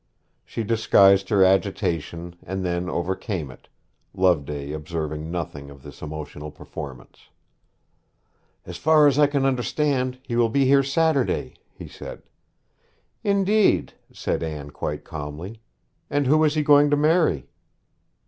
She disguised her agitation and then overcame it, Loveday observing nothing of this emotional performance. 'As far as I can understand he will be here Saturday,' he said. 'Indeed!' said Anne quite calmly. 'And who is he going to marry?'